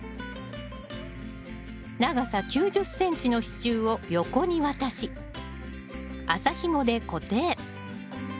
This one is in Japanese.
長さ９０ｃｍの支柱を横に渡し麻ひもで固定。